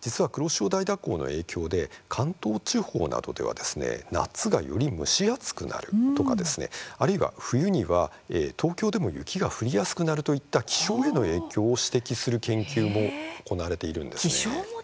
実は、黒潮大蛇行の影響で関東地方などでは夏がより蒸し暑くなるとかあるいは、冬には東京でも雪が降りやすくなるといった気象への影響を指摘する研究も気象もですね。